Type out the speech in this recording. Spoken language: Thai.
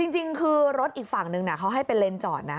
จริงคือรถอีกฝั่งนึงเขาให้เป็นเลนส์จอดนะ